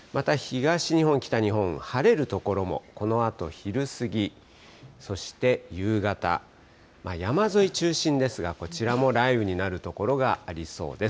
また東日本、北日本、晴れる所もこのあと昼過ぎ、そして夕方、山沿い中心ですが、こちらも雷雨になる所がありそうです。